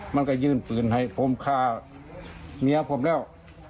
มันก็ยื่นปืนให้ผมฆ่าเมียผมแล้ว